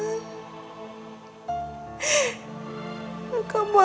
sekapi siapapun yang biasa